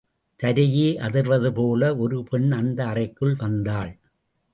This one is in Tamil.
தரையே அதிர்வது போல ஒரு பெண் அந்த அறைக்குள் வந்தாள்.